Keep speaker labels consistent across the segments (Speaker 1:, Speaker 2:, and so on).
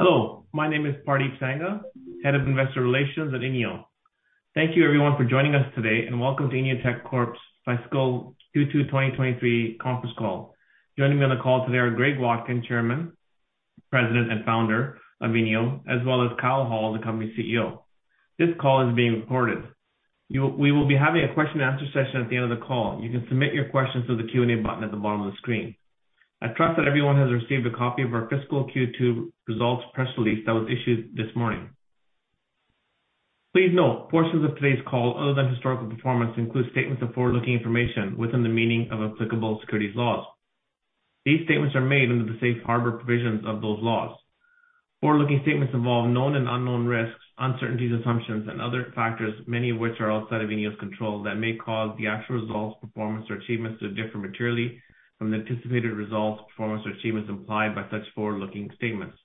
Speaker 1: Hello, my name is Pardeep Sangha, Head of Investor Relations at INEO. Thank you everyone for joining us today. Welcome to INEO Tech Corp's fiscal Q2 2023 conference call. Joining me on the call today are Greg Watkin, Chairman, President, and Founder of INEO, as well as Kyle Hall, the company CEO. This call is being recorded. We will be having a Q&A session at the end of the call. You can submit your questions through the Q&A button at the bottom of the screen. I trust that everyone has received a copy of our fiscal Q2 results press release that was issued this morning. Please note, portions of today's call other than historical performance include statements of forward-looking information within the meaning of applicable securities laws. These statements are made under the Safe Harbor provisions of those laws. Forward-looking statements involve known and unknown risks, uncertainties, assumptions, and other factors, many of which are outside of INEO's control that may cause the actual results, performance, or achievements to differ materially from the anticipated results, performance, or achievements implied by such forward-looking statements.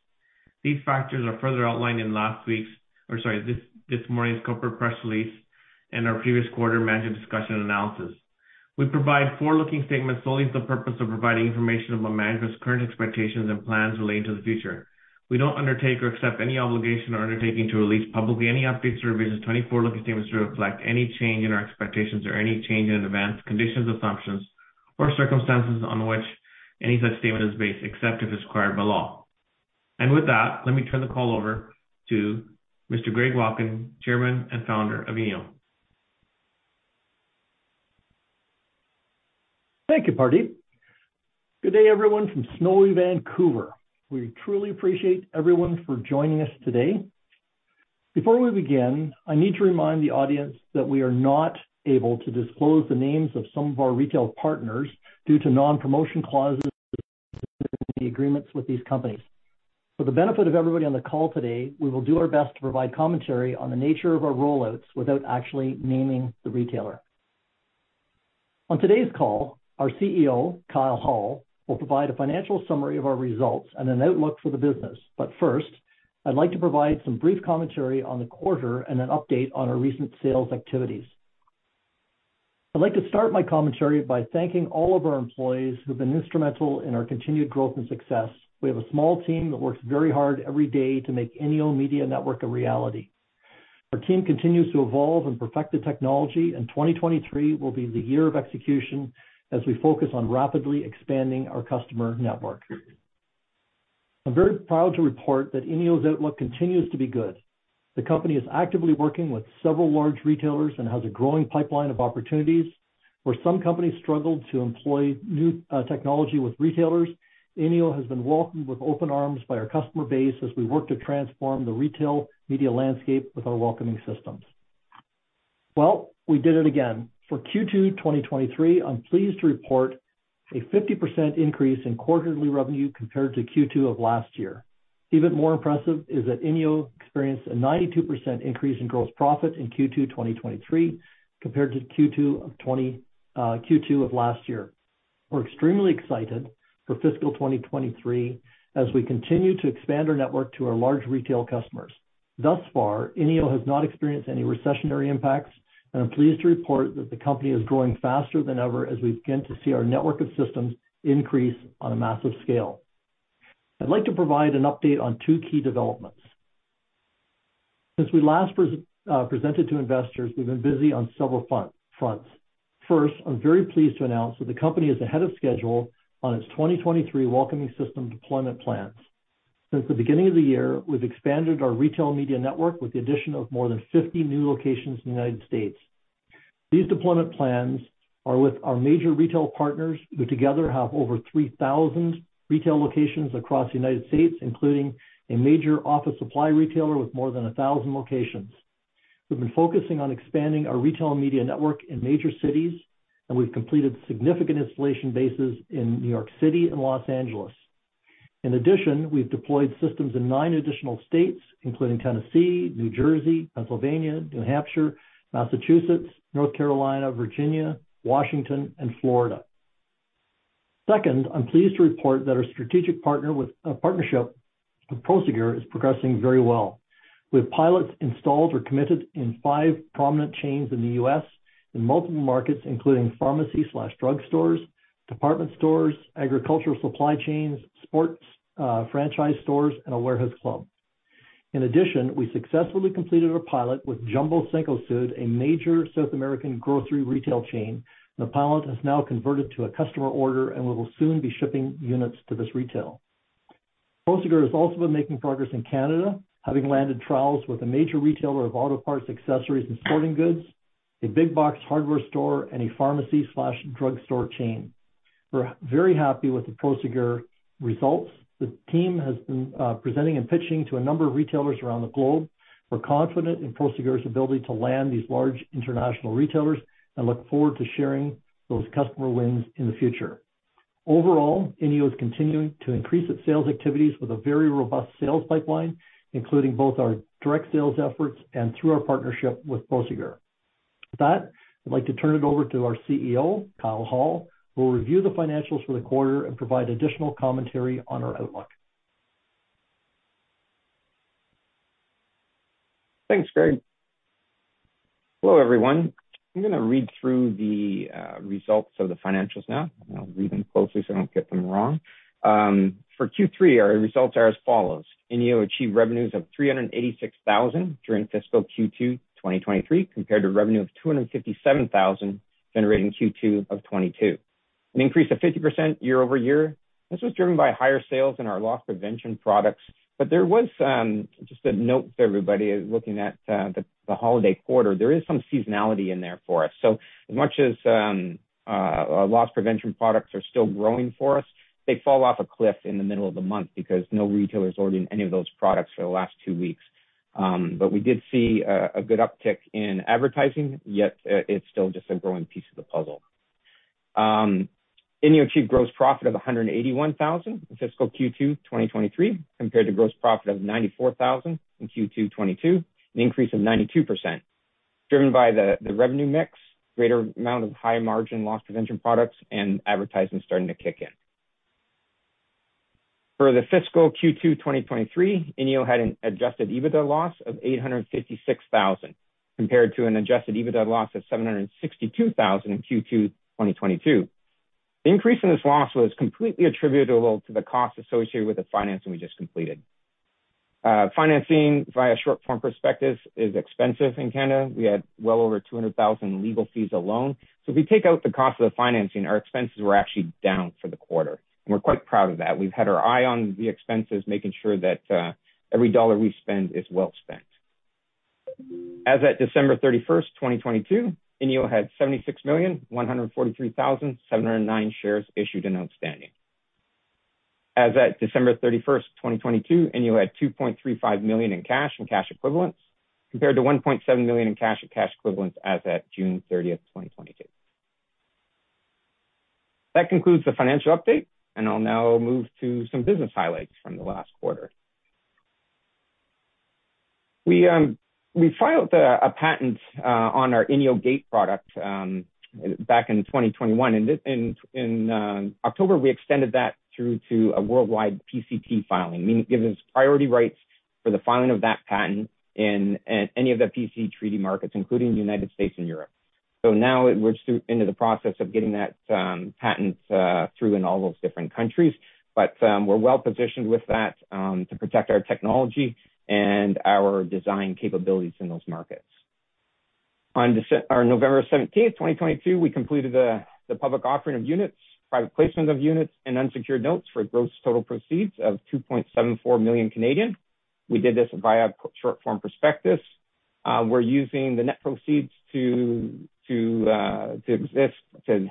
Speaker 1: These factors are further outlined in last week's or sorry, this morning's corporate press release and our previous quarter management discussion and analysis. We provide forward-looking statements solely for the purpose of providing information about management's current expectations and plans relating to the future. We don't undertake or accept any obligation or undertaking to release publicly any updates or revisions to any forward-looking statements to reflect any change in our expectations or any change in events, conditions, assumptions, or circumstances on which any such statement is based, except if it's required by law. With that, let me turn the call over to Mr. Greg Watkin, Chairman and Founder of INEO.
Speaker 2: Thank you, Pardeep. Good day, everyone from snowy Vancouver. We truly appreciate everyone for joining us today. Before we begin, I need to remind the audience that we are not able to disclose the names of some of our retail partners due to non-promotion clauses in the agreements with these companies. For the benefit of everybody on the call today, we will do our best to provide commentary on the nature of our rollouts without actually naming the retailer. On today's call, our CEO, Kyle Hall, will provide a financial summary of our results and an outlook for the business. First, I'd like to provide some brief commentary on the quarter and an update on our recent sales activities. I'd like to start my commentary by thanking all of our employees who've been instrumental in our continued growth and success. We have a small team that works very hard every day to make INEO Media Network a reality. Our team continues to evolve and perfect the technology, 2023 will be the year of execution as we focus on rapidly expanding our customer network. I'm very proud to report that INEO's outlook continues to be good. The company is actively working with several large retailers and has a growing pipeline of opportunities. Where some companies struggle to employ new technology with retailers, INEO has been welcomed with open arms by our customer base as we work to transform the retail media landscape with our INEO Welcoming Systems. We did it again. For Q2 2023, I'm pleased to report a 50% increase in quarterly revenue compared to Q2 of last year. Even more impressive is that INEO experienced a 92% increase in gross profit in Q2 2023 compared to Q2 of last year. We're extremely excited for fiscal 2023 as we continue to expand our network to our large retail customers. Thus far, INEO has not experienced any recessionary impacts. I'm pleased to report that the company is growing faster than ever as we begin to see our network of systems increase on a massive scale. I'd like to provide an update on two key developments. Since we last presented to investors, we've been busy on several fun-fronts. First, I'm very pleased to announce that the company is ahead of schedule on its 2023 welcoming system deployment plans. Since the beginning of the year, we've expanded our retail media network with the addition of more than 50 new locations in the United States. These deployment plans are with our major retail partners, who together have over 3,000 retail locations across the United States, including a major office supply retailer with more than 1,000 locations. We've been focusing on expanding our retail media network in major cities. We've completed significant installation bases in New York City and Los Angeles. In addition, we've deployed systems in nine additional states, including Tennessee, New Jersey, Pennsylvania, New Hampshire, Massachusetts, North Carolina, Virginia, Washington, and Florida. Second, I'm pleased to report that our strategic partnership with Prosegur is progressing very well. We have pilots installed or committed in five prominent chains in the U.S. in multiple markets, including pharmacy/drug stores, department stores, agricultural supply chains, sports, franchise stores, and a warehouse club. We successfully completed a pilot with Jumbo, Cencosud, a major South American grocery retail chain. The pilot has now converted to a customer order, and we will soon be shipping units to this retail. Prosegur has also been making progress in Canada, having landed trials with a major retailer of auto parts, accessories, and sporting goods, a big box hardware store, and a pharmacy/drug store chain. We're very happy with the Prosegur results. The team has been presenting and pitching to a number of retailers around the globe. We're confident in Prosegur's ability to land these large international retailers and look forward to sharing those customer wins in the future. Overall, INEO is continuing to increase its sales activities with a very robust sales pipeline, including both our direct sales efforts and through our partnership with Prosegur. With that, I'd like to turn it over to our CEO, Kyle Hall, who will review the financials for the quarter and provide additional commentary on our outlook.
Speaker 3: Thanks, Greg. Hello, everyone. I'm gonna read through the results of the financials now. I'll read them closely so I don't get them wrong. For Q3, our results are as follows. INEO achieved revenues of 386,000 during fiscal Q2 2023 compared to revenue of 257,000 generated in Q2 of 2022, an increase of 50% year-over-year. This was driven by higher sales in our loss prevention products. There was just a note to everybody looking at the holiday quarter. There is some seasonality in there for us. As much as our loss prevention products are still growing for us, they fall off a cliff in the middle of the month because no retailer is ordering any of those products for the last two weeks. We did see a good uptick in advertising, yet, it's still just a growing piece of the puzzle. INEO achieved gross profit of 181,000 in fiscal Q2 2023 compared to gross profit of 94,000 in Q2 2022, an increase of 92% driven by the revenue mix, greater amount of high margin loss prevention products, and advertising starting to kick in. For the fiscal Q2 2023, INEO had an adjusted EBITDA loss of 856,000 compared to an adjusted EBITDA loss of 762,000 in Q2 2022. The increase in this loss was completely attributable to the cost associated with the financing we just completed. Financing via short form prospectus is expensive in Canada. We had well over 200,000 in legal fees alone. If we take out the cost of the financing, our expenses were actually down for the quarter. We're quite proud of that. We've had our eye on the expenses, making sure that every dollar we spend is well spent. As at December 31st, 2022, INEO had 76,143,709 shares issued and outstanding. As at December 31st, 2022, INEO had 2.35 million in cash and cash equivalents, compared to 1.7 million in cash and cash equivalents as at June 30th, 2022. That concludes the financial update. I'll now move to some business highlights from the last quarter. We filed a patent on our INEO Gate product back in 2021. In October, we extended that through to a worldwide PCT filing, meaning it gives us priority rights for the filing of that patent in any of the PC Treaty markets, including the United States and Europe. Now we're into the process of getting that patent through in all those different countries, but we're well positioned with that to protect our technology and our design capabilities in those markets. On November 17, 2022, we completed the public offering of units, private placement of units, and unsecured notes for gross total proceeds of 2.74 million. We did this via short form prospectus. We're using the net proceeds to exist, to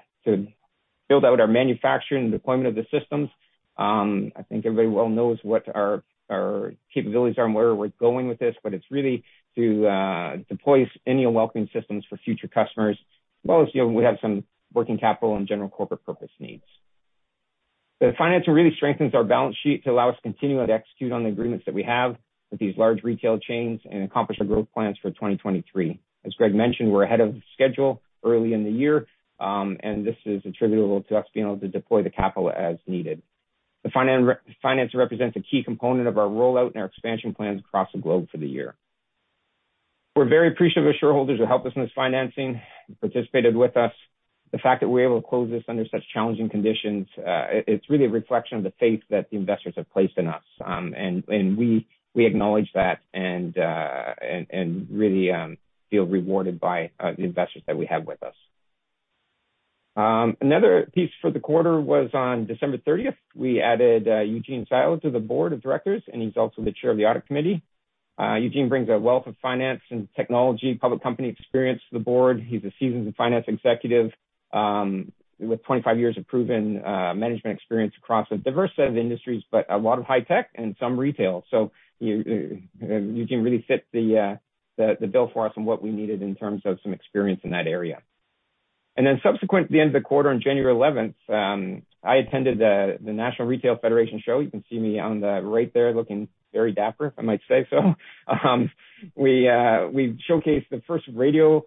Speaker 3: build out our manufacturing and deployment of the systems. I think everybody well knows what our capabilities are and where we're going with this, but it's really to deploy INEO Welcoming Systems for future customers, as well as, you know, we have some working capital and general corporate purpose needs. The financing really strengthens our balance sheet to allow us to continue to execute on the agreements that we have with these large retail chains and accomplish our growth plans for 2023. As Greg mentioned, we're ahead of schedule early in the year, this is attributable to us being able to deploy the capital as needed. The finance represents a key component of our rollout and our expansion plans across the globe for the year. We're very appreciative of shareholders who helped us in this financing and participated with us. The fact that we're able to close this under such challenging conditions, it's really a reflection of the faith that the investors have placed in us. We acknowledge that and really feel rewarded by the investors that we have with us. Another piece for the quarter was on December 30th, we added Eugene Sailer to the board of directors, and he's also the chair of the audit committee. Eugene brings a wealth of finance and technology, public company experience to the board. He's a seasoned finance executive, with 25 years of proven management experience across a diverse set of industries, but a lot of high tech and some retail. Eugene really fit the bill for us and what we needed in terms of some experience in that area. Subsequent to the end of the quarter on January 11th, I attended the National Retail Federation show. You can see me on the right there looking very dapper, I might say so. We showcased the first radio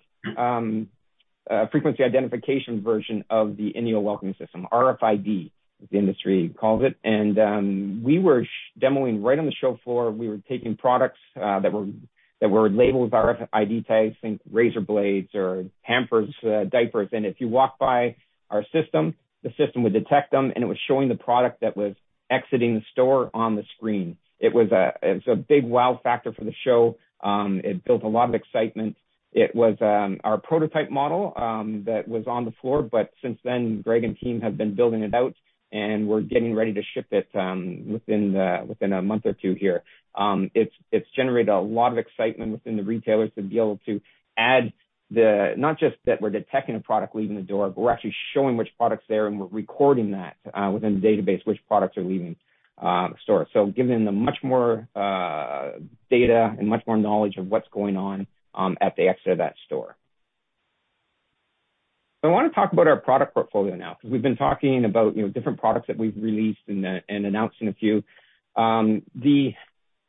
Speaker 3: frequency identification version of the INEO Welcoming System, RFID, as the industry calls it. We were demoing right on the show floor. We were taking products that were labeled with RFID tags, think razor blades or Pampers diapers. If you walk by our system, the system would detect them, and it was showing the product that was exiting the store on the screen. It was a big wow factor for the show. It built a lot of excitement. It was our prototype model that was on the floor, but since then, Greg and team have been building it out, and we're getting ready to ship it within a month or two here. It's generated a lot of excitement within the retailers to be able to add not just that we're detecting a product leaving the door, but we're actually showing which product's there, and we're recording that within the database which products are leaving the store. Giving them much more data and much more knowledge of what's going on at the exit of that store. I wanna talk about our product portfolio now, 'cause we've been talking about, you know, different products that we've released and announcing a few.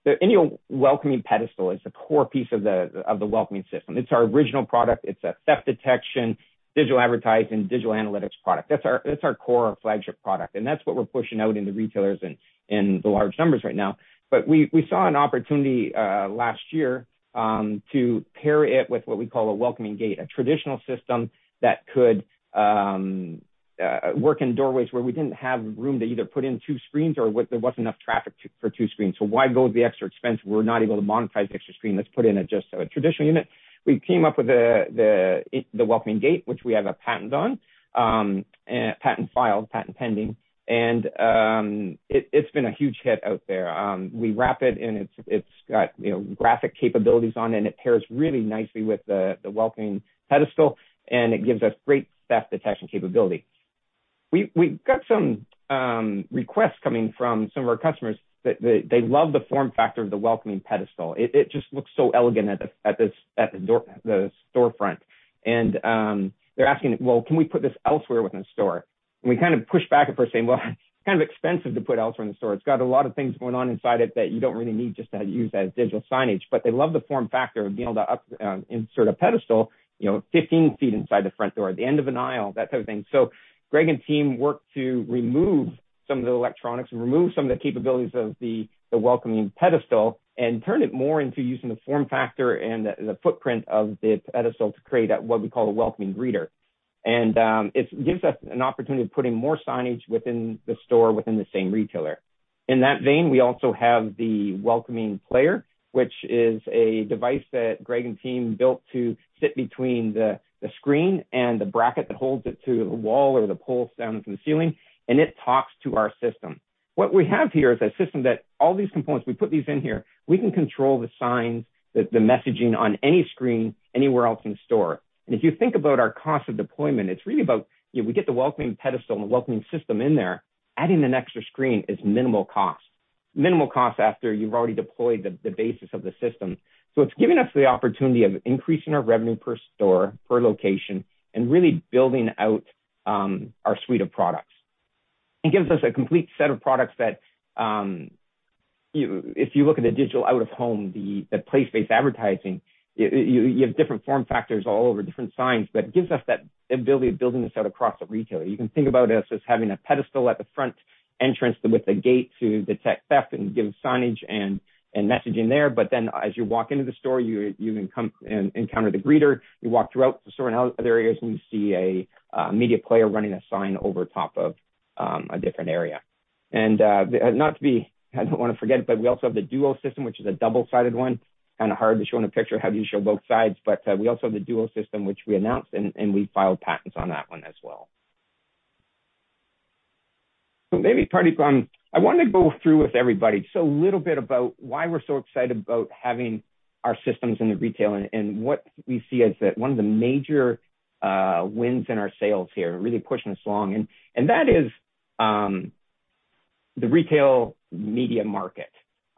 Speaker 3: The INEO Welcoming Pedestal is the core piece of the Welcoming System. It's our original product. It's a theft detection, digital advertising, digital analytics product. That's our core flagship product, and that's what we're pushing out into retailers in the large numbers right now. We saw an opportunity last year to pair it with what we call a Welcoming Gate, a traditional system that could work in doorways where we didn't have room to either put in two screens or where there wasn't enough traffic for two screens. Why go the extra expense if we're not able to monetize the extra screen? Let's put in a just a traditional unit. We came up with the Welcoming Gate, which we have a patent on, patent filed, patent pending, it's been a huge hit out there. We wrap it's got, you know, graphic capabilities on it pairs really nicely with the Welcoming Pedestal, it gives us great theft detection capability. We got some requests coming from some of our customers that they love the form factor of the Welcoming Pedestal. It just looks so elegant at the storefront. They're asking, "Well, can we put this elsewhere within the store?" We kind of pushed back at first saying, "Well, it's kind of expensive to put elsewhere in the store. It's got a lot of things going on inside it that you don't really need just to use as digital signage. They love the form factor of being able to insert a pedestal, you know, 15 feet inside the front door, at the end of an aisle, that type of thing. Greg and team worked to remove some of the electronics and remove some of the capabilities of the Welcoming Pedestal and turn it more into using the form factor and the footprint of the pedestal to create what we call a Welcoming Greeter. It gives us an opportunity to put in more signage within the store, within the same retailer. In that vein, we also have the Welcoming Player, which is a device that Greg and team built to sit between the screen and the bracket that holds it to the wall or the pole stems in the ceiling, and it talks to our system. What we have here is a system that all these components, we put these in here, we can control the signs, the messaging on any screen anywhere else in store. If you think about our cost of deployment, it's really about, you know, we get the Welcoming Pedestal and the Welcoming System in there, adding an extra screen is minimal cost. Minimal cost after you've already deployed the basis of the system. It's given us the opportunity of increasing our revenue per store, per location, and really building out our suite of products. It gives us a complete set of products that, you know, if you look at the digital out-of-home, the place-based advertising, you have different form factors all over different signs, but it gives us that ability of building this out across a retailer. You can think about us as having a pedestal at the front entrance with a gate to detect theft and give signage and messaging there. As you walk into the store, you can come and encounter the greeter. You walk throughout the store and out other areas, and you see a media player running a sign over top of a different area. But we also have the Duo system, which is a double-sided one. Kind of hard to show in a picture how do you show both sides. We also have the Duo system, which we announced, and we filed patents on that one as well. Maybe, Pardeep, I wanted to go through with everybody just a little bit about why we're so excited about having our systems in the retail and what we see as the, one of the major wins in our sales here, really pushing us along. That is, the retail media market.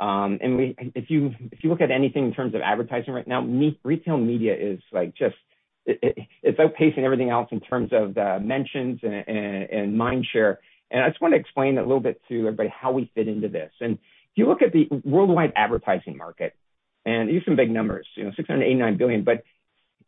Speaker 3: If you look at anything in terms of advertising right now, retail media is like just... It's outpacing everything else in terms of mentions and mind share. I just wanna explain a little bit to everybody how we fit into this. If you look at the worldwide advertising market, these are some big numbers, you know, $689 billion.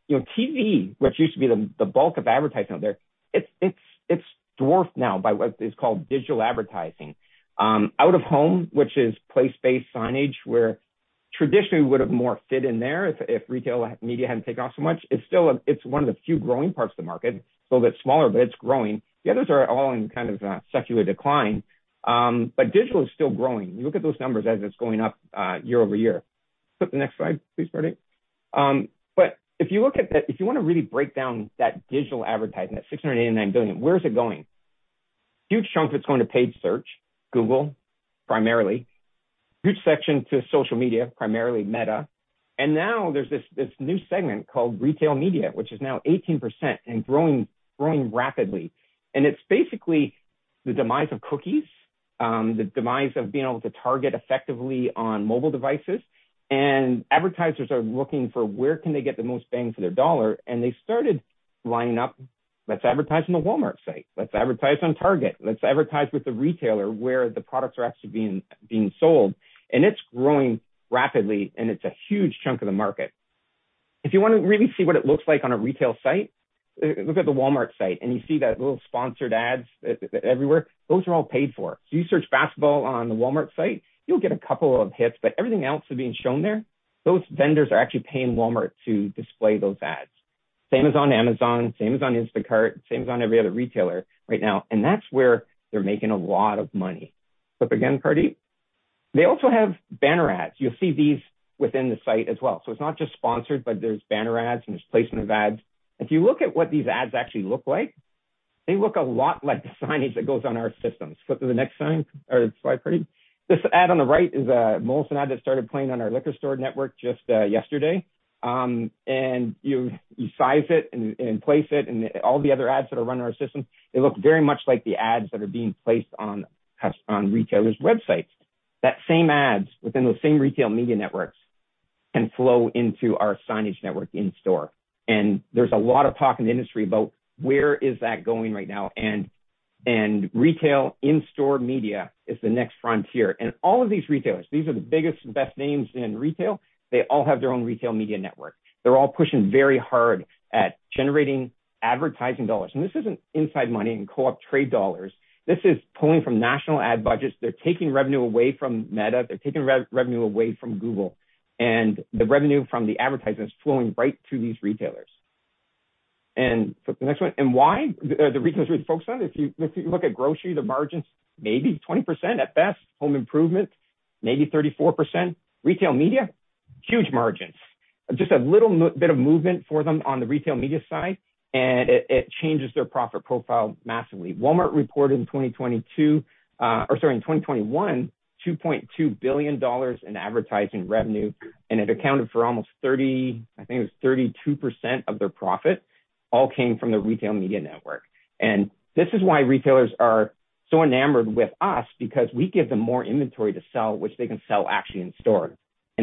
Speaker 3: You know, TV, which used to be the bulk of advertising out there, it's dwarfed now by what is called digital advertising. Out-of-home, which is place-based signage where traditionally we would have more fit in there if retail media hadn't taken off so much. It's still one of the few growing parts of the market. A little bit smaller, but it's growing. The others are all in kind of secular decline. Digital is still growing. You look at those numbers as it's going up year-over-year. Flip to the next slide, please, Pardeep. If you look at the... If you wanna really break down that digital advertising, that $689 billion, where is it going? Huge chunk that's going to paid search, Google primarily. Huge section to social media, primarily Meta. Now there's this new segment called retail media, which is now 18% and growing rapidly. It's basically the demise of cookies, the demise of being able to target effectively on mobile devices. Advertisers are looking for where can they get the most bang for their dollar, and they started lining up, "Let's advertise on the Walmart site. Let's advertise on Target. Let's advertise with the retailer where the products are actually being sold." It's growing rapidly, and it's a huge chunk of the market. If you wanna really see what it looks like on a retail site, look at the Walmart site, and you see that little sponsored ads everywhere. Those are all paid for. You search basketball on the Walmart site, you'll get a couple of hits, but everything else that's being shown there, those vendors are actually paying Walmart to display those ads. Same as on Amazon, same as on Instacart, same as on every other retailer right now. That's where they're making a lot of money. Flip again, Pardeep. They also have banner ads. You'll see these within the site as well. It's not just sponsored, but there's banner ads, and there's placement of ads. If you look at what these ads actually look like, they look a lot like the signage that goes on our systems. Flip to the next sign, or slide, Pardeep. This ad on the right is a Molson ad that started playing on our liquor store network just yesterday. You size it and place it and all the other ads that are run on our system, they look very much like the ads that are being placed on retailers' websites. That same ads within those same retail media networks. Flow into our signage network in store. There's a lot of talk in the industry about where is that going right now. Retail in-store media is the next frontier. All of these retailers, these are the biggest and best names in retail. They all have their own retail media network. They're all pushing very hard at generating advertising dollars. This isn't inside money and co-op trade dollars. This is pulling from national ad budgets. They're taking revenue away from Meta. They're taking revenue away from Google. The revenue from the advertising is flowing right to these retailers. Flip the next one. Why the retailers really focus on it. If you look at grocery, the margins may be 20% at best. Home improvement, maybe 34%. Retail media, huge margins. Just a little bit of movement for them on the retail media side, and it changes their profit profile massively. Walmart reported in 2022, or sorry, in 2021, $2.2 billion in advertising revenue. It accounted for almost 32% of their profit all came from the retail media network. This is why retailers are so enamored with us because we give them more inventory to sell, which they can sell actually in store.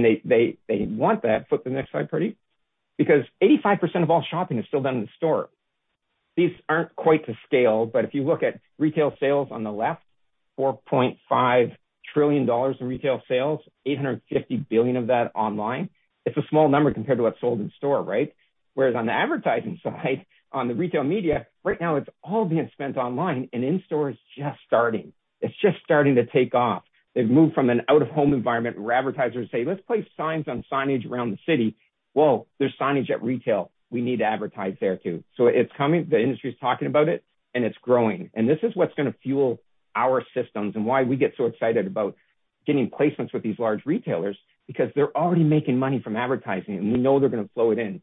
Speaker 3: They want that, flip to the next slide, Pardeep. 85% of all shopping is still done in the store. These aren't quite to scale, but if you look at retail sales on the left, $4.5 trillion in retail sales, $850 billion of that online. It's a small number compared to what's sold in store, right? Whereas on the advertising side, on the retail media, right now it's all being spent online, and in-store is just starting. It's just starting to take off. They've moved from an out-of-home environment where advertisers say, "Let's place signs on signage around the city. Whoa, there's signage at retail. We need to advertise there too." It's coming, the industry is talking about it, and it's growing. This is what's gonna fuel our systems and why we get so excited about getting placements with these large retailers, because they're already making money from advertising, and we know they're gonna flow it in.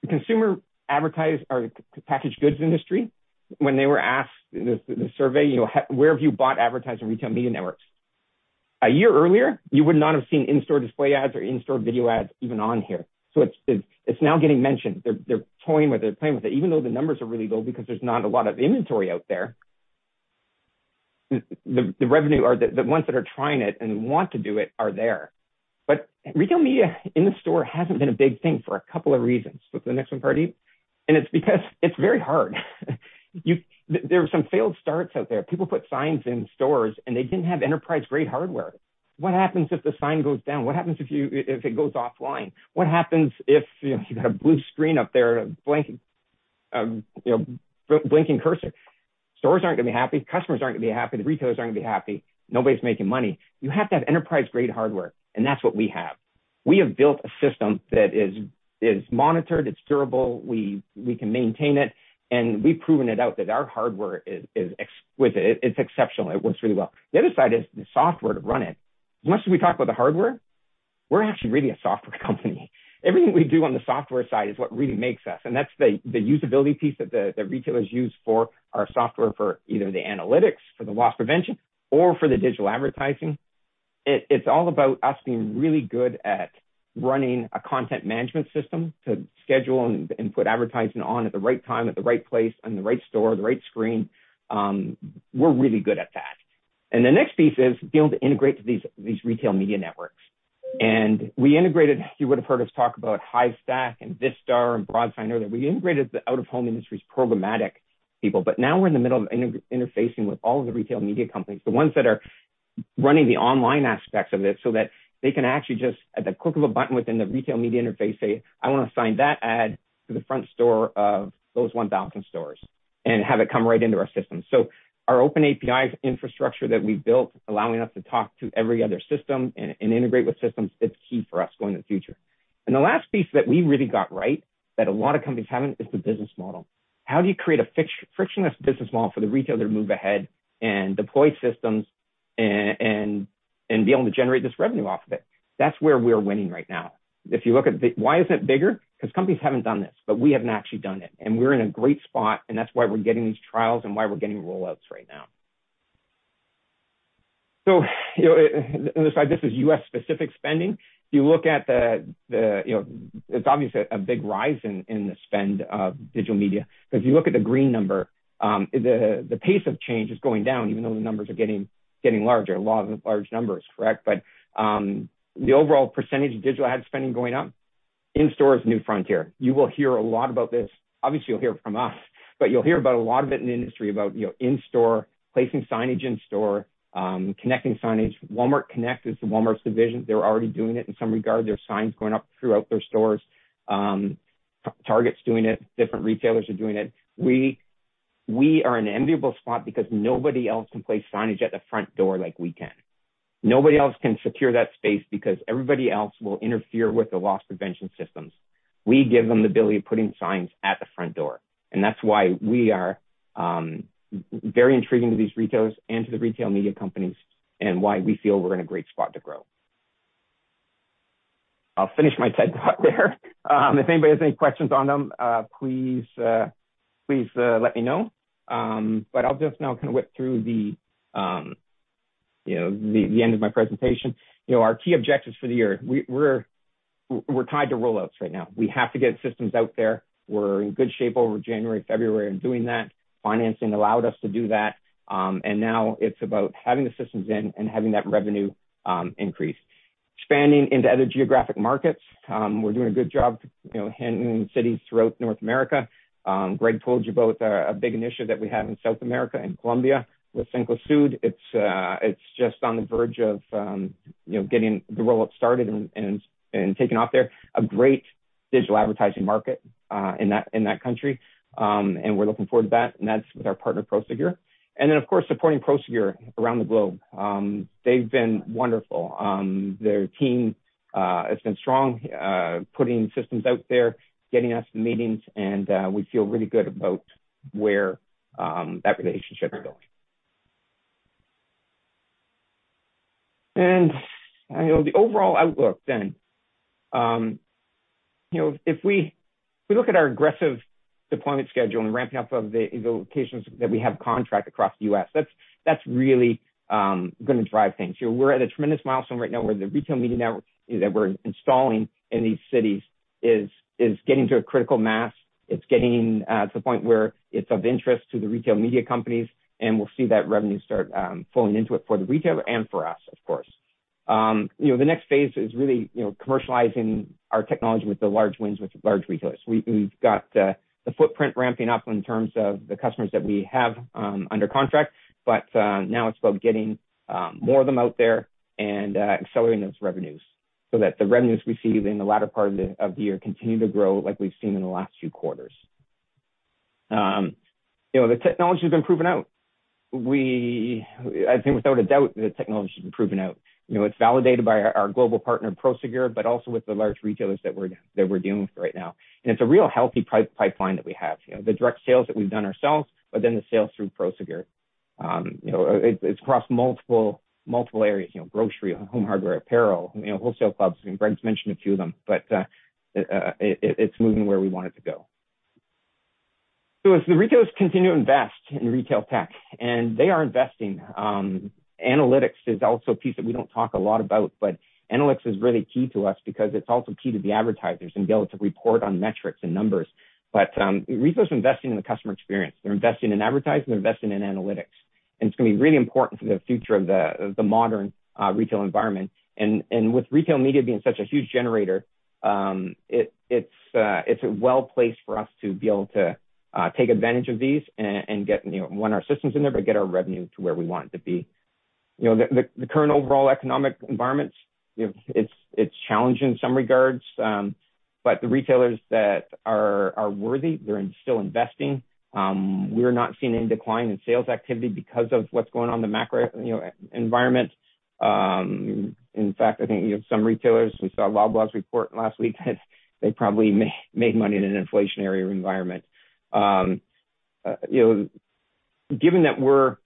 Speaker 3: The consumer or the packaged goods industry, when they were asked the survey, you know, where have you bought advertising retail media networks? A year earlier, you would not have seen in-store display ads or in-store video ads even on here. It's now getting mentioned. They're toying with it, they're playing with it. Even though the numbers are really low because there's not a lot of inventory out there, the revenue or the ones that are trying it and want to do it are there. Retail media in the store hasn't been a big thing for a couple of reasons. Flip to the next one, Pardeep. It's because it's very hard. There are some failed starts out there. People put signs in stores, and they didn't have enterprise-grade hardware. What happens if the sign goes down? What happens if it goes offline? What happens if, you know, you got a blue screen up there, a blank, you know, blinking cursor? Stores aren't gonna be happy. Customers aren't gonna be happy. The retailers aren't gonna be happy. Nobody's making money. You have to have enterprise-grade hardware, and that's what we have. We have built a system that is monitored, it's durable, we can maintain it, and we've proven it out that our hardware is exceptional. It works really well. The other side is the software to run it. As much as we talk about the hardware, we're actually really a software company. Everything we do on the software side is what really makes us, and that's the usability piece that the retailers use for our software for either the analytics, for the loss prevention, or for the digital advertising. It's all about us being really good at running a content management system to schedule and put advertising on at the right time, at the right place, on the right store, the right screen. We're really good at that. The next piece is being able to integrate to these retail media networks. We integrated, you would've heard us talk about Hivestack and Vistar and Broadsign earlier. We integrated the out-of-home industry's programmatic people. Now we're in the middle of interfacing with all of the retail media companies, the ones that are running the online aspects of this, so that they can actually just, at the click of a button within the retail media interface, say, "I wanna assign that ad to the front store of those 1,000 stores," and have it come right into our system. Our open API infrastructure that we've built, allowing us to talk to every other system and integrate with systems, it's key for us going in the future. The last piece that we really got right, that a lot of companies haven't, is the business model. How do you create a frictionless business model for the retailer to move ahead and deploy systems and be able to generate this revenue off of it? That's where we're winning right now. Why isn't it bigger? Because companies haven't done this, but we have actually done it. We're in a great spot, and that's why we're getting these trials and why we're getting rollouts right now. You know, the other side, this is U.S.-specific spending. If you look at the, you know, it's obviously a big rise in the spend of digital media. If you look at the green number, the pace of change is going down, even though the numbers are getting larger. Law of large numbers, correct? The overall % of digital ad spending going up, in-store is new frontier. You will hear a lot about this. You'll hear it from us, but you'll hear about a lot of it in the industry about, you know, in-store, placing signage in store, connecting signage. Walmart Connect is Walmart's division. They're already doing it in some regard. There's signs going up throughout their stores. Target's doing it. Different retailers are doing it. We are in an enviable spot because nobody else can place signage at the front door like we can. Nobody else can secure that space because everybody else will interfere with the loss prevention systems. We give them the ability of putting signs at the front door. That's why we are very intriguing to these retailers and to the retail media companies, and why we feel we're in a great spot to grow. I'll finish my TED Talk there. If anybody has any questions on them, please let me know. I'll just now kinda whip through the, you know, the end of my presentation. You know, our key objectives for the year. We're tied to rollouts right now. We have to get systems out there. We're in good shape over January, February in doing that. Financing allowed us to do that. Now it's about having the systems in and having that revenue increase. Expanding into other geographic markets, we're doing a good job, you know, hitting cities throughout North America. Greg told you about a big initiative that we have in South America, in Colombia with Cencosud. It's just on the verge of, you know, getting the roll-up started and taking off there. A great digital advertising market in that, in that country. We're looking forward to that, and that's with our partner Prosegur. Of course, supporting Prosegur around the globe. They've been wonderful. Their team has been strong, putting systems out there, getting us the meetings, and we feel really good about where that relationship is going. You know, the overall outlook then. You know, if we, if we look at our aggressive deployment schedule and ramping up of the locations that we have contract across the U.S., that's really gonna drive things. You know, we're at a tremendous milestone right now where the retail media network that we're installing in these cities is getting to a critical mass. It's getting to the point where it's of interest to the retail media companies. We'll see that revenue start flowing into it for the retailer and for us, of course. you know, the next phase is really, you know, commercializing our technology with the large wins with large retailers. We've got the footprint ramping up in terms of the customers that we have under contract. Now it's about getting more of them out there and accelerating those revenues so that the revenues we see in the latter part of the year continue to grow like we've seen in the last few quarters. you know, the technology's been proven out. I think without a doubt the technology's been proven out. You know, it's validated by our global partner, Prosegur, but also with the large retailers that we're dealing with right now. It's a real healthy pipe-pipeline that we have. You know, the direct sales that we've done ourselves, but then the sales through Prosegur. You know, it's across multiple areas. You know, grocery, home hardware, apparel, you know, wholesale clubs. I mean, Greg's mentioned a few of them, but it's moving where we want it to go. As the retailers continue to invest in retail tech, and they are investing, analytics is also a piece that we don't talk a lot about, but analytics is really key to us because it's also key to the advertisers and be able to report on metrics and numbers. Retailers are investing in the customer experience. They're investing in advertising, they're investing in analytics, and it's gonna be really important for the future of the modern retail environment. With retail media being such a huge generator, it's well placed for us to be able to take advantage of these and get, you know, our systems in there, but get our revenue to where we want it to be. You know, the current overall economic environment, you know, it's challenging in some regards, but the retailers that are worthy, they're still investing. We're not seeing any decline in sales activity because of what's going on in the macro, you know, environment. In fact, I think, you know, some retailers, we saw Loblaw's report last week that they probably made money in an inflationary environment. you know, given that we're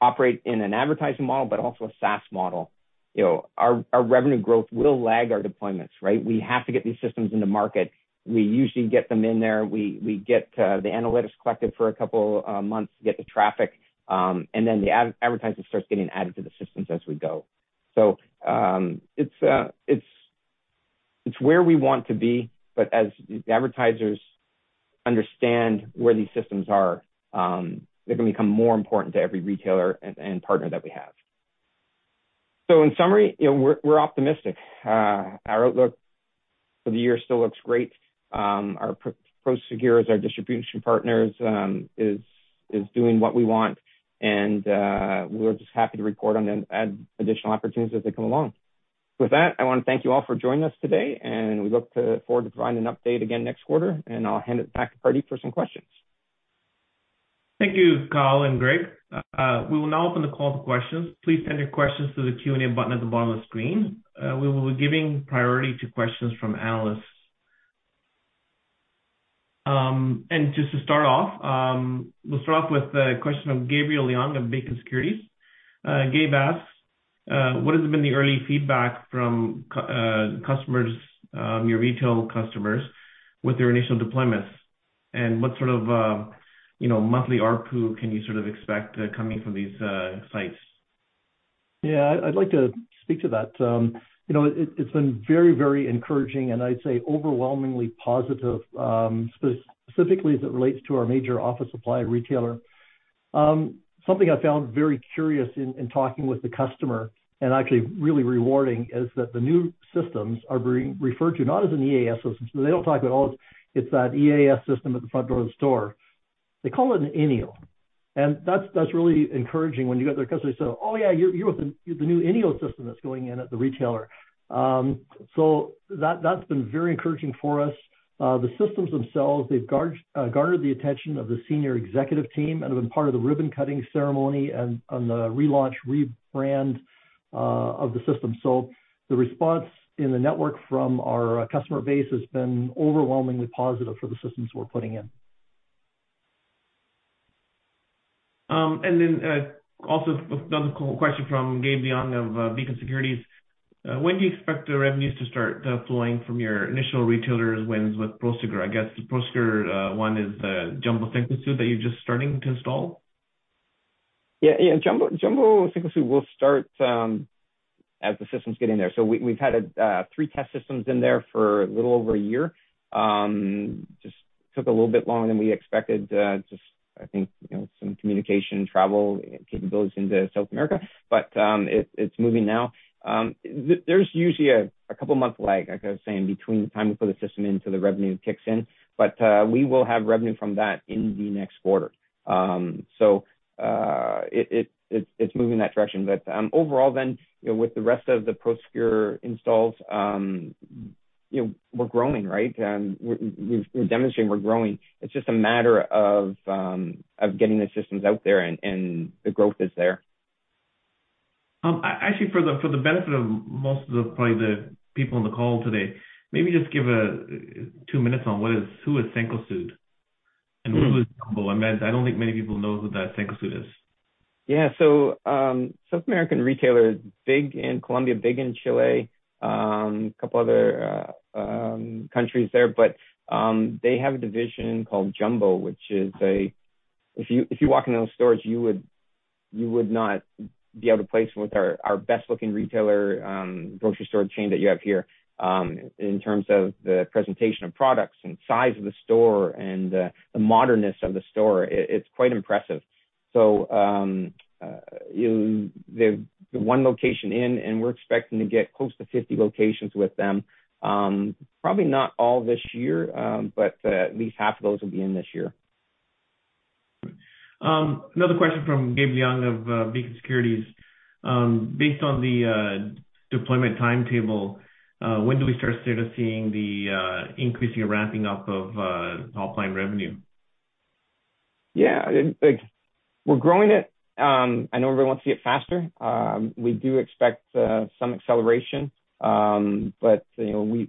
Speaker 3: operate in an advertising model but also a SaaS model, you know, our revenue growth will lag our deployments, right? We have to get these systems in the market. We usually get them in there. We get the analytics collected for a couple months to get the traffic, then the advertising starts getting added to the systems as we go. it's where we want to be, but as advertisers understand where these systems are, they're gonna become more important to every retailer and partner that we have. In summary, you know, we're optimistic. Our outlook for the year still looks great. Our Prosegur as our distribution partners is doing what we want, and we're just happy to report on them, add additional opportunities as they come along. With that, I wanna thank you all for joining us today, and we look to forward to providing an update again next quarter, and I'll hand it back to Pardeep for some questions.
Speaker 1: Thank you, Kyle and Greg. We will now open the call to questions. Please send your questions through the Q&A button at the bottom of the screen. We will be giving priority to questions from analysts. Just to start off, we'll start off with a question of Gabriel Leung of Beacon Securities. Gabe asks, "What has been the early feedback from customers, your retail customers with their initial deployments? And what sort of, you know, monthly ARPU can you sort of expect coming from these sites?
Speaker 3: I'd like to speak to that. You know, it's been very, very encouraging and I'd say overwhelmingly positive, specifically as it relates to our major office supply retailer. Something I found very curious in talking with the customer, and actually really rewarding, is that the new systems are being referred to not as an EAS system. They don't talk about, oh, it's that EAS system at the front door of the store. They call it an INEO. That's, that's really encouraging when you've got the customer say, "Oh, yeah, you're with the new INEO system that's going in at the retailer." That, that's been very encouraging for us. The systems themselves, they've garnered the attention of the senior executive team and have been part of the ribbon-cutting ceremony and the relaunch, rebrand of the system. The response in the network from our customer base has been overwhelmingly positive for the systems we're putting in.
Speaker 1: Also another question from Gabe Leung of Beacon Securities. When do you expect the revenues to start flowing from your initial retailers wins with Prosegur? I guess the Prosegur one is the Jumbo Cencosud that you're just starting to install.
Speaker 3: Yeah. Jumbo Cencosud will start as the systems get in there. We've had 3 test systems in there for a little over a year, Took a little bit longer than we expected. Just I think, you know, some communication, travel capabilities into South America, but it's moving now. There's usually a couple-month lag, like I was saying, between the time we put the system in till the revenue kicks in. We will have revenue from that in the next quarter. It's moving in that direction. Overall, you know, with the rest of the Prosegur installs, you know, we're growing, right? We're demonstrating we're growing. It's just a matter of getting the systems out there and the growth is there.
Speaker 1: actually for the, for the benefit of most of the, probably the people on the call today, maybe just give a, 2 minutes on Who is Cencosud?
Speaker 3: Mm.
Speaker 1: What is Jumbo? I mean, I don't think many people know who that Cencosud is.
Speaker 3: South American retailer, big in Colombia, big in Chile, a couple other countries there. They have a division called Jumbo. If you walk into those stores, you would not be able to place them with our best looking retailer, grocery store chain that you have here, in terms of the presentation of products and size of the store and the modernness of the store. It's quite impressive. They've one location in, and we're expecting to get close to 50 locations with them. Probably not all this year, but, at least half of those will be in this year.
Speaker 1: Another question from Gabe Young of Beacon Securities. Based on the deployment timetable, when do we start sort of seeing the increasing ramping up of offline revenue?
Speaker 3: Yeah. Like, we're growing it. I know everyone wants to see it faster. We do expect some acceleration. You know,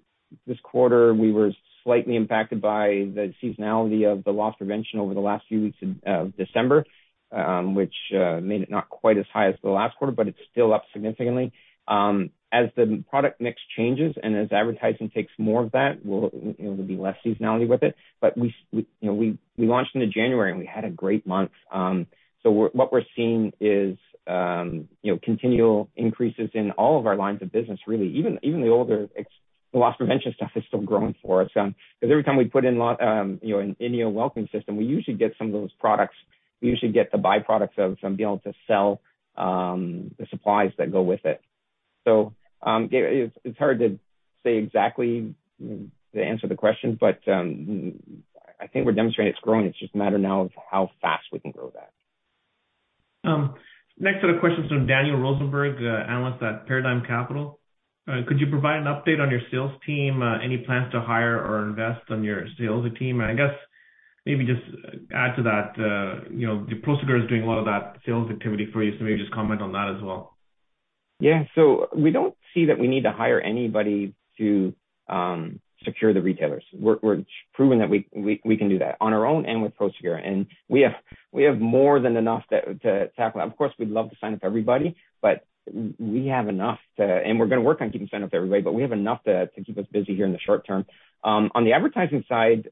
Speaker 3: this quarter, we were slightly impacted by the seasonality of the loss prevention over the last few weeks in December, which made it not quite as high as the last quarter, but it's still up significantly. As the product mix changes and as advertising takes more of that, we'll, you know, there'll be less seasonality with it. We, you know, we launched into January, and we had a great month. What we're seeing is, you know, continual increases in all of our lines of business really. Even the older the loss prevention stuff is still growing for us. 'Cause every time we put in lo-, you know, in your Welcoming System, we usually get some of those products. We usually get the byproducts of, from being able to sell the supplies that go with it. Gabe- it's hard to say exactly the answer to the question, but I think we're demonstrating it's growing. It's just a matter now of how fast we can grow that.
Speaker 1: Next set of questions from Daniel Rosenberg, analyst at Paradigm Capital. Could you provide an update on your sales team? Any plans to hire or invest on your sales team? I guess maybe just add to that, you know, Prosegur is doing a lot of that sales activity for you, so maybe just comment on that as well.
Speaker 3: Yeah. We don't see that we need to hire anybody to secure the retailers. We're proving that we can do that on our own and with Prosegur. We have more than enough to tackle that. Of course, we'd love to sign up everybody. We're gonna work on keeping sign up everybody, but we have enough to keep us busy here in the short term. On the advertising side,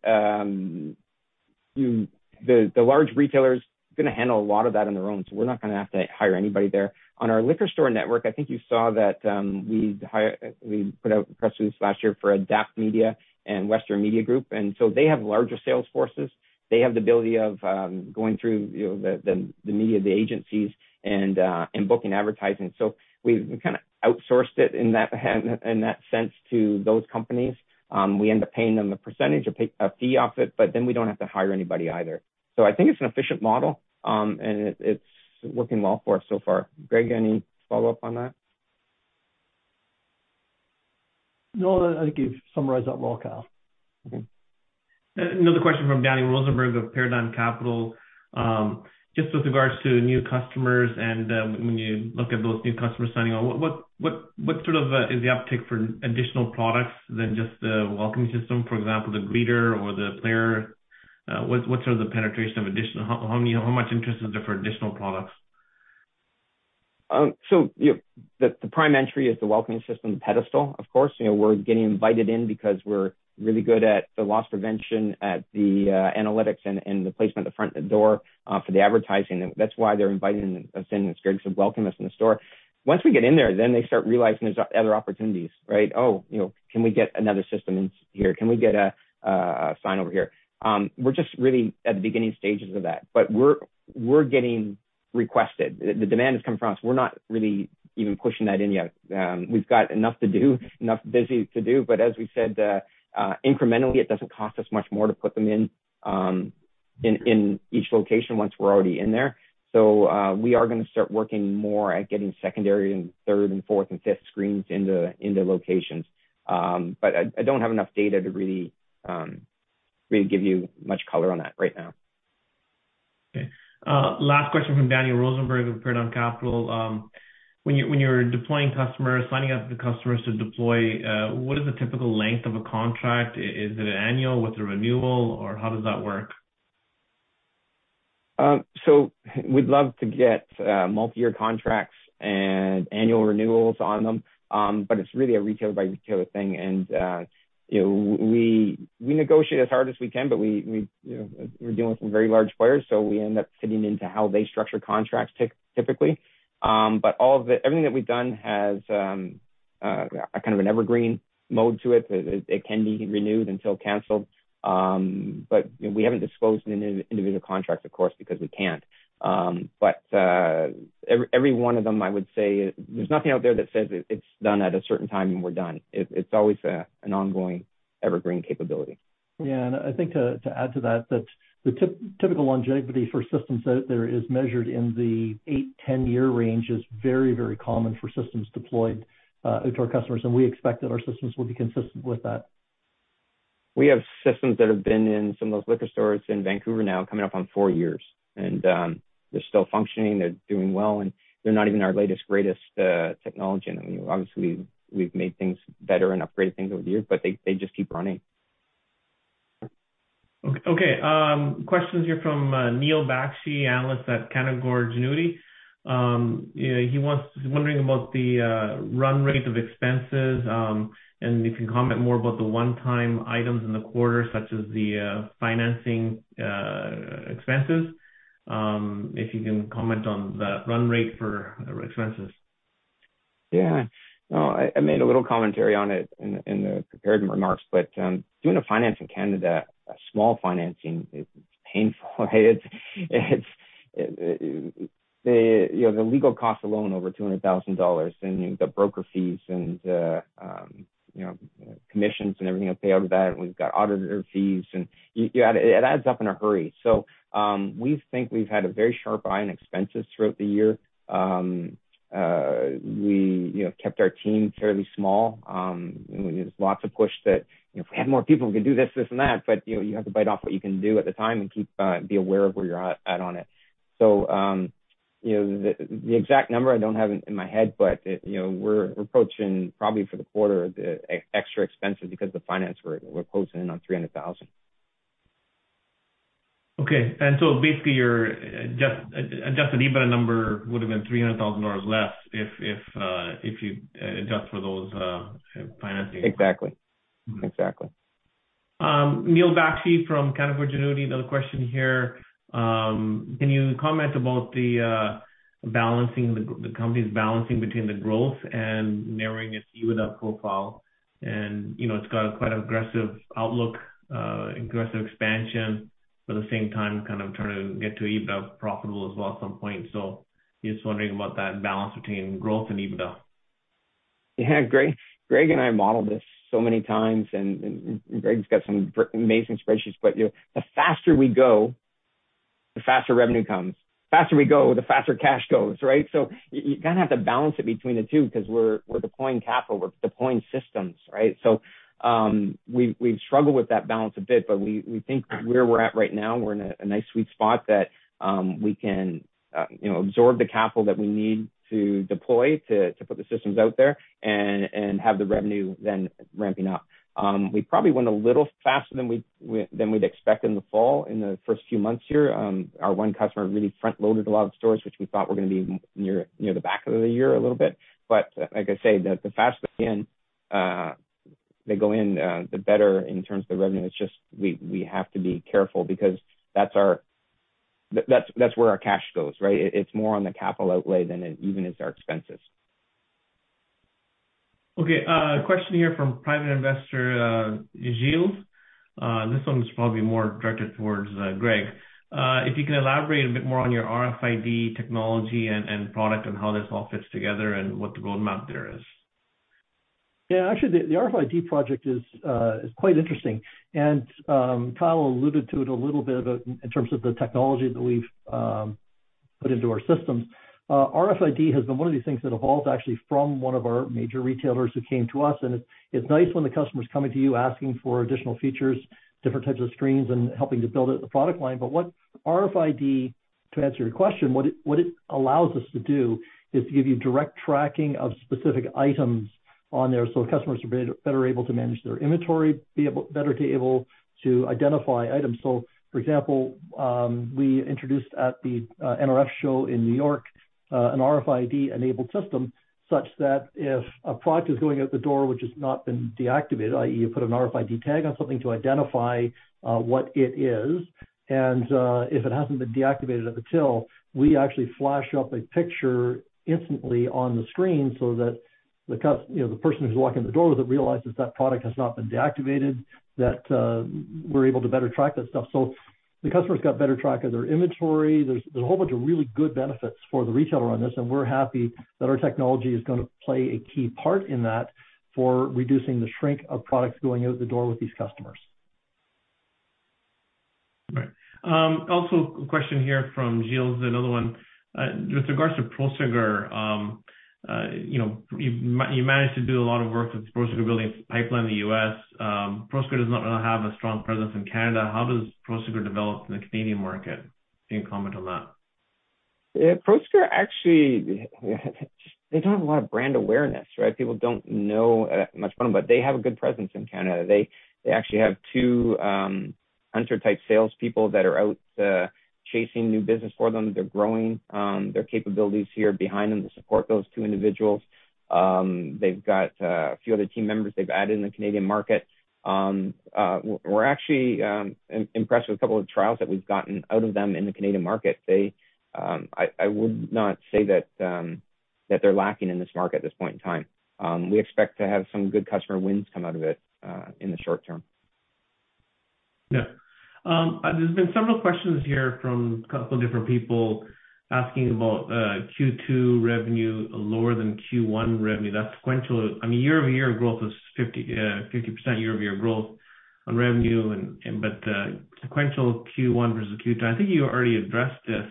Speaker 3: the large retailers gonna handle a lot of that on their own, so we're not gonna have to hire anybody there. On our liquor store network, I think you saw that we put out press release last year for Adapt Media and Western Media Group, and so they have larger sales forces. They have the ability of, going through, you know, the, the media, the agencies, and booking advertising. We kinda outsourced it in that, in that sense to those companies. We end up paying them a percentage, a fee off it, we don't have to hire anybody either. I think it's an efficient model, and it's working well for us so far. Greg, any follow-up on that?
Speaker 2: No. I think you've summarized that well, Kyle.
Speaker 3: Okay.
Speaker 1: Another question from Daniel Rosenberg of Paradigm Capital. just with regards to new customers and, when you look at those new customers signing on, what sort of is the uptick for additional products than just the Welcoming System? For example, the Greeter or the Player. How, you know, how much interest is there for additional products?
Speaker 3: You know, the prime entry is the Welcoming System, the Pedestal, of course. You know, we're getting invited in because we're really good at the loss prevention, at the analytics, and the placement at the front of the door for the advertising. That's why they're inviting us in, is because welcome us in the store. Once we get in there, then they start realizing there's other opportunities, right? You know, can we get another system in here? Can we get a sign over here? We're just really at the beginning stages of that. We're getting requested. The demand is coming from us. We're not really even pushing that in yet. We've got enough to do, enough busy to do. As we said, incrementally, it doesn't cost us much more to put them in each location once we're already in there. We are gonna start working more at getting secondary and third and fourth and fifth screens into locations. I don't have enough data to really give you much color on that right now.
Speaker 1: Okay. Last question from Daniel Rosenberg of Paradigm Capital. When you're deploying customers, signing up the customers to deploy, what is the typical length of a contract? Is it annual with a renewal or how does that work?
Speaker 3: We'd love to get multiyear contracts and annual renewals on them. It's really a retailer by retailer thing. You know, we negotiate as hard as we can, but we, you know, we're dealing with some very large players, so we end up fitting into how they structure contracts typically. All of the... Everything that we've done has a kind of an evergreen mode to it. It can be renewed until canceled. You know, we haven't disclosed any individual contracts, of course, because we can't. Every one of them, I would say there's nothing out there that says it's done at a certain time and we're done. It's always an ongoing evergreen capability.
Speaker 2: Yeah. I think to add to that the typical longevity for systems out there is measured in the eight, 10-year range is very, very common for systems deployed to our customers, and we expect that our systems will be consistent with that.
Speaker 3: We have systems that have been in some of those liquor stores in Vancouver now coming up on 4 years, and, they're still functioning, they're doing well, and they're not even our latest, greatest, technology. Obviously we've made things better and upgraded things over the years, but they just keep running.
Speaker 1: Okay. Questions here from Neil Bakshi, analyst at Canaccord Genuity. You know, he's wondering about the run rate of expenses, and if you can comment more about the one-time items in the quarter, such as the financing expenses, if you can comment on the run rate for expenses?
Speaker 3: No, I made a little commentary on it in the, in the prepared remarks, but doing a finance in Canada, a small financing is painful. It's, you know, the legal cost alone over $200,000 and the broker fees and the, you know, commissions and everything that pay out of that. We've got auditor fees, yeah, it adds up in a hurry. We think we've had a very sharp eye on expenses throughout the year. We, you know, kept our team fairly small. There's lots of push that, you know, if we had more people, we could do this, and that, but, you know, you have to bite off what you can do at the time and keep aware of where you're at on it. You know, the exact number I don't have in my head, but, you know, we're approaching probably for the quarter, the extra expenses because the finance we're closing in on 300,000.
Speaker 1: Okay. Basically your adjusted EBITDA number would have been 300,000 dollars less if you adjust for those financing.
Speaker 3: Exactly. Exactly.
Speaker 1: Neil Bakshi from Canaccord Genuity, another question here. Can you comment about the company's balancing between the growth and narrowing its EBITDA profile? You know, it's got a quite aggressive outlook, aggressive expansion, but at the same time kind of trying to get to EBITDA profitable as well at some point. Just wondering about that balance between growth and EBITDA.
Speaker 3: Greg and I modeled this so many times and Greg's got some amazing spreadsheets. You know, the faster we go, the faster revenue comes. Faster we go, the faster cash goes, right? You kind of have to balance it between the two because we're deploying capital, we're deploying systems, right? We've struggled with that balance a bit, but we think where we're at right now, we're in a nice sweet spot that we can, you know, absorb the capital that we need to deploy to put the systems out there and have the revenue then ramping up. We probably went a little faster than we'd expect in the fall in the first few months here. Our one customer really front loaded a lot of stores, which we thought were gonna be near the back of the year a little bit. Like I say, the faster they can, they go in, the better in terms of the revenue. It's just we have to be careful because that's where our cash goes, right? It's more on the capital outlay than it even is our expenses.
Speaker 1: Okay. Question here from private investor, Gilles. This one's probably more directed towards Greg. If you can elaborate a bit more on your RFID technology and product and how this all fits together and what the roadmap there is.
Speaker 2: Actually the RFID project is quite interesting. Kyle alluded to it a little bit about in terms of the technology that we've put into our systems. RFID has been one of these things that evolved actually from one of our major retailers who came to us. It's nice when the customer's coming to you asking for additional features, different types of screens, and helping to build out the product line. What RFID, to answer your question, what it allows us to do is to give you direct tracking of specific items on there so customers are better able to manage their inventory, better to able to identify items. For example, we introduced at the NRF show in New York an RFID-enabled system such that if a product is going out the door which has not been deactivated, i.e, you put an RFID tag on something to identify what it is, and if it hasn't been deactivated at the till, we actually flash up a picture instantly on the screen so that you know, the person who's walking the door with it realizes that product has not been deactivated, that we're able to better track that stuff. The customer's got better track of their inventory. There's a whole bunch of really good benefits for the retailer on this, and we're happy that our technology is gonna play a key part in that for reducing the shrink of products going out the door with these customers.
Speaker 1: Right. Also a question here from Gilles, another one. With regards to Prosegur, you know, you managed to do a lot of work with Prosegur building its pipeline in the U.S. Prosegur does not really have a strong presence in Canada. How does Prosegur develop in the Canadian market? Can you comment on that?
Speaker 3: Prosegur actually, they don't have a lot of brand awareness, right? People don't know much about them, they have a good presence in Canada. They actually have 2 hunter-type salespeople that are out chasing new business for them. They're growing their capabilities here behind them to support those 2 individuals. They've got a few other team members they've added in the Canadian market. We're actually impressed with a couple of trials that we've gotten out of them in the Canadian market. I would not say that they're lacking in this market at this point in time. We expect to have some good customer wins come out of it in the short term.
Speaker 1: Yeah. There's been several questions here from 2 different people asking about Q2 revenue lower than Q1 revenue. That's sequential. I mean, year-over-year growth is 50% year-over-year growth on revenue and sequential Q1 versus Q2. I think you already addressed this.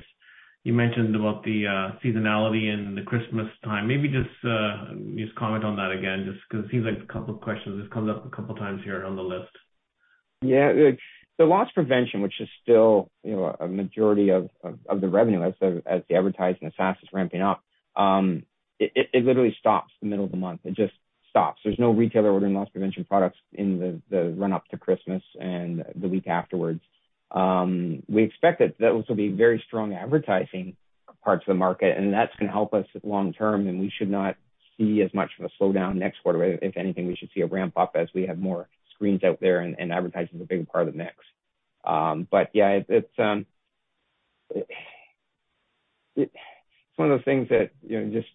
Speaker 1: You mentioned about the seasonality and the Christmas time. Maybe just comment on that again, just 'cause it seems like 2 questions. This comes up 2 times here on the list.
Speaker 3: Yeah. The loss prevention, which is still, you know, a majority of the revenue as the advertising, the SaaS is ramping up, it literally stops the middle of the month. It just stops. There's no retailer ordering loss prevention products in the run up to Christmas and the week afterwards. We expect that those will be very strong advertising parts of the market, and that's going to help us long term, and we should not see as much of a slowdown next quarter. If anything, we should see a ramp-up as we have more screens out there and advertising is a bigger part of the mix. Yeah, it's one of those things that, you know, just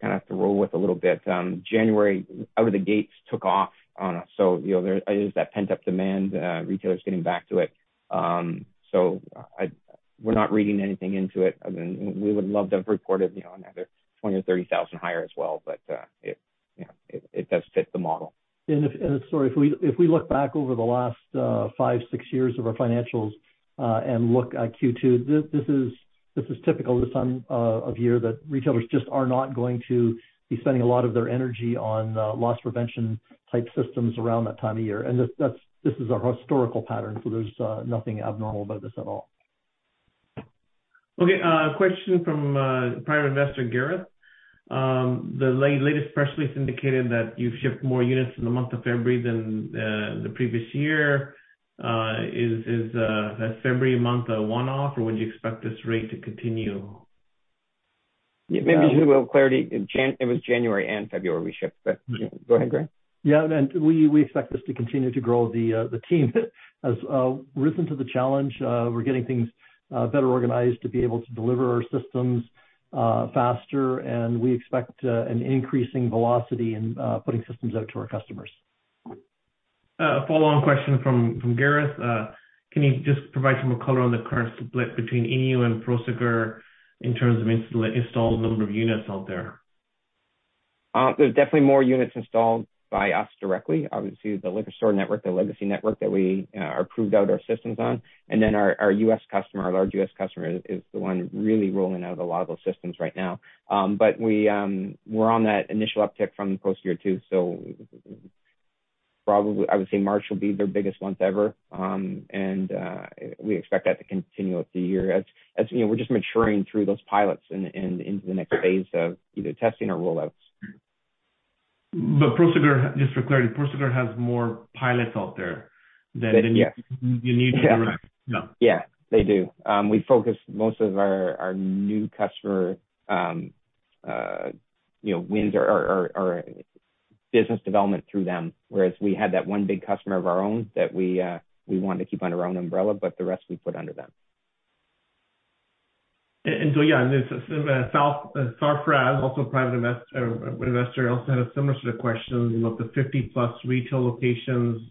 Speaker 3: kind of have to roll with a little bit. January out of the gates took off on us. you know, there is that pent-up demand, retailers getting back to it. We're not reading anything into it. I mean, we would love to have reported, you know, another 20,000-30,000 higher as well, it, you know, it does fit the model.
Speaker 2: If we look back over the last 5, 6 years of our financials and look at Q2, this is typical this time of year that retailers just are not going to be spending a lot of their energy on loss prevention type systems around that time of year. This is a historical pattern, so there's nothing abnormal about this at all.
Speaker 1: Okay. Question from private investor, Gareth. The latest press release indicated that you've shipped more units in the month of February than the previous year. Is that February month a one-off, or would you expect this rate to continue?
Speaker 3: Yeah. Maybe just a little clarity. It was January and February we shipped. Go ahead, Gareth.
Speaker 2: Yeah. We, we expect this to continue to grow. The team has risen to the challenge. We're getting things better organized to be able to deliver our systems faster, and we expect an increasing velocity in putting systems out to our customers.
Speaker 1: A follow-on question from Gareth. Can you just provide some more color on the current split between INEO and Prosegur in terms of installed number of units out there?
Speaker 3: There's definitely more units installed by us directly. Obviously, the Liquor Store network, the legacy network that we approved out our systems on. Our, our U.S. customer, our large U.S. customer is the one really rolling out a lot of those systems right now. But we're on that initial uptick from post year 2. Probably, I would say March will be their biggest month ever. We expect that to continue up the year as, you know, we're just maturing through those pilots into the next phase of either testing or rollouts.
Speaker 1: Prosegur, just for clarity, Prosegur has more pilots out there than.
Speaker 3: Yes.
Speaker 1: INEO direct.
Speaker 3: Yeah.
Speaker 1: Yeah.
Speaker 3: They do. We focus most of our new customer, you know, wins or business development through them, whereas we had that one big customer of our own that we wanted to keep under our own umbrella, but the rest we put under them.
Speaker 1: yeah. This Sarfraz, also private investor also had a similar sort of question about the 50-plus retail locations.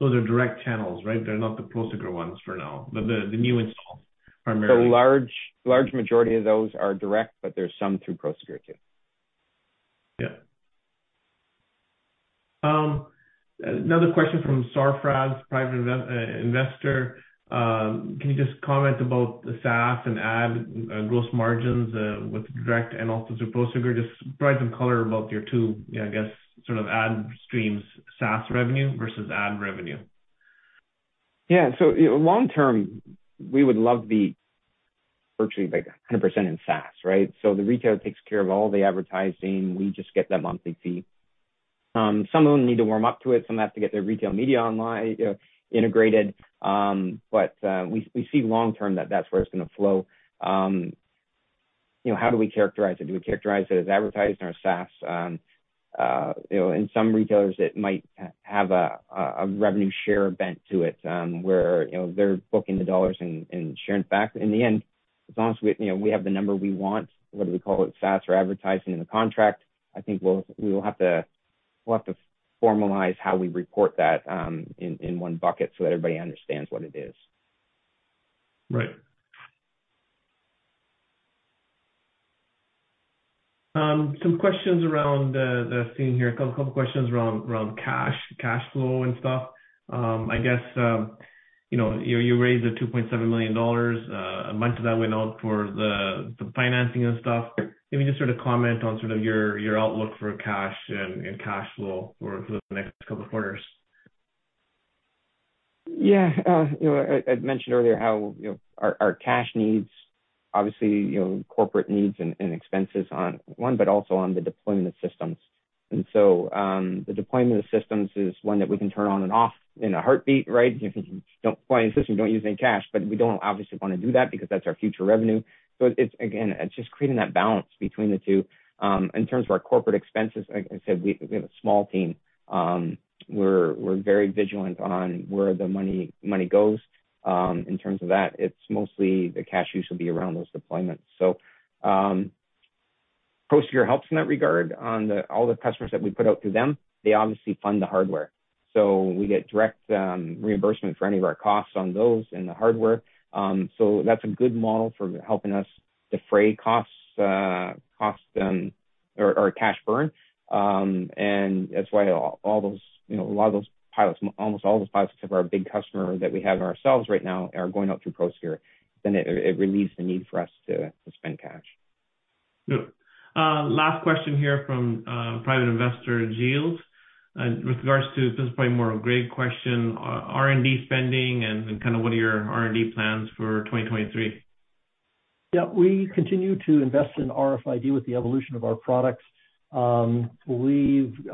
Speaker 1: Those are direct channels, right? They're not the Prosegur ones for now, but the new installs primarily.
Speaker 3: The large majority of those are direct, but there's some through Prosegur too.
Speaker 1: Yeah. Another question from Sarfraz, private investor. Can you just comment about the SaaS and ad gross margins, with direct and also through Prosegur? Just provide some color about your two, you know, I guess sort of ad streams, SaaS revenue versus ad revenue.
Speaker 3: Yeah. you know, long term, we would love to be virtually like 100% in SaaS, right? The retailer takes care of all the advertising. We just get that monthly fee. Some of them need to warm up to it. Some have to get their retail media online integrated. We see long term that that's where it's gonna flow. you know, how do we characterize it? Do we characterize it as advertising or SaaS? you know, in some retailers it might have a revenue share bent to it, where, you know, they're booking the dollars and sharing it back. In the end, as long as we, you know, we have the number we want, whether we call it SaaS or advertising in the contract, I think we will have to formalize how we report that in one bucket so that everybody understands what it is.
Speaker 1: Right. Some questions around that I've seen here. A couple questions around cash flow and stuff. I guess, you know, you raised the 2.7 million dollars. Much of that went out for the financing and stuff. Can you just sort of comment on your outlook for cash and cash flow for the next couple of quarters?
Speaker 3: Yeah. You know, I mentioned earlier how, you know, our cash needs, obviously, you know, corporate needs and expenses on one, but also on the deployment of systems. The deployment of systems is one that we can turn on and off in a heartbeat, right? If you don't deploy any system, you don't use any cash. We don't obviously wanna do that because that's our future revenue. It's again, just creating that balance between the two. In terms of our corporate expenses, like I said, we have a small team. We're very vigilant on where the money goes. In terms of that, it's mostly the cash use will be around those deployments. Prosegur helps in that regard on all the customers that we put out through them, they obviously fund the hardware. We get direct reimbursement for any of our costs on those and the hardware. That's a good model for helping us defray costs or cash burn. And that's why all those, you know, a lot of those pilots, almost all those pilots except for our big customer that we have ourselves right now are going out through Prosegur, then it relieves the need for us to spend cash.
Speaker 1: Good. Last question here from private investor, Giles. With regards to, this is probably more a Greg question, R&D spending and kind of what are your R&D plans for 2023?
Speaker 2: Yeah, we continue to invest in RFID with the evolution of our products. We've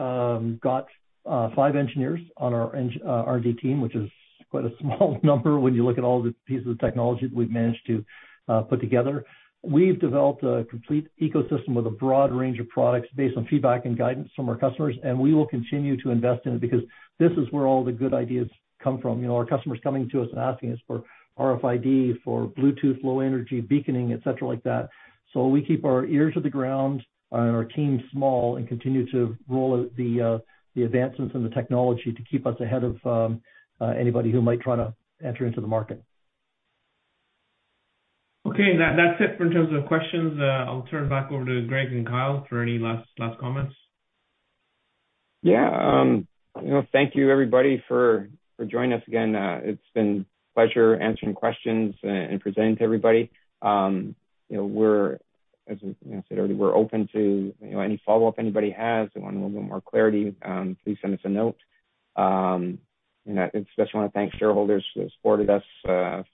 Speaker 2: got five engineers on our R&D team, which is quite a small number when you look at all the pieces of technology that we've managed to put together. We've developed a complete ecosystem with a broad range of products based on feedback and guidance from our customers. We will continue to invest in it because this is where all the good ideas come from. You know, our customers coming to us and asking us for RFID, for Bluetooth Low Energy, Beaconing, et cetera like that. We keep our ears to the ground and our team small and continue to roll out the advancements in the technology to keep us ahead of anybody who might try to enter into the market.
Speaker 1: Okay. That's it in terms of questions. I'll turn it back over to Greg and Kyle for any last comments.
Speaker 3: Yeah. you know, thank you everybody for joining us again. It's been a pleasure answering questions and presenting to everybody. you know, we're, as I said earlier, we're open to, you know, any follow-up anybody has. If they want a little bit more clarity, please send us a note. I just wanna thank shareholders who have supported us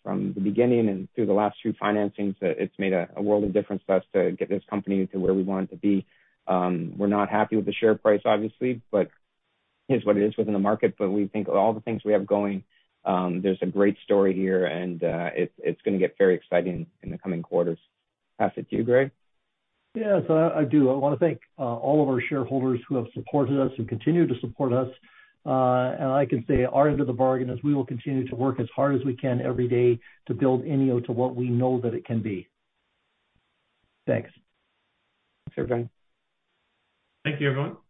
Speaker 3: from the beginning and through the last few financings. It's made a world of difference to us to get this company to where we want it to be. We're not happy with the share price obviously, but it is what it is within the market. We think all the things we have going, there's a great story here and it's gonna get very exciting in the coming quarters. Pass it to you, Greg.
Speaker 2: Yes, I do. I wanna thank all of our shareholders who have supported us and continue to support us. I can say our end of the bargain is we will continue to work as hard as we can every day to build INEO to what we know that it can be. Thanks.
Speaker 3: Thanks, everyone.
Speaker 1: Thank you, everyone.